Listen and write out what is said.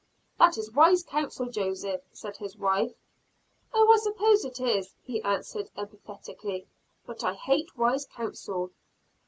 "That is wise counsel, Joseph," said his wife. "Oh, I suppose it is," he answered emphatically. "But I hate wise counsel."